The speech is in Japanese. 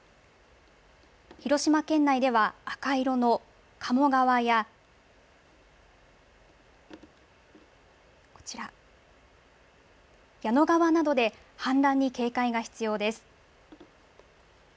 広島県内では、赤色の賀茂川や、こちら、矢野川などで、氾濫に警戒が必要です。